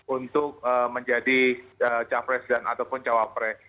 untuk menjadi capres dan ataupun cawapres